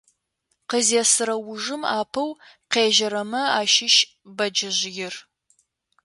Къызесырэ ужым апэу къежьэрэмэ ащыщ бэджэжъыер.